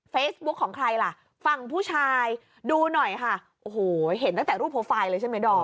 เฟซบุ๊คของใครล่ะฝั่งผู้ชายดูหน่อยค่ะโอ้โหเห็นตั้งแต่รูปโปรไฟล์เลยใช่ไหมดอม